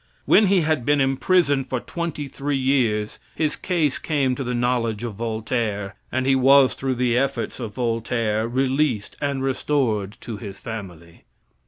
When he had been imprisoned for twenty three years his case came to the knowledge of Voltaire, and he was, through the efforts of Voltaire, released and restored to his family.